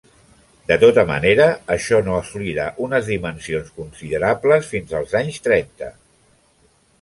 De tota manera, això no assolirà unes dimensions considerables fins als anys trenta.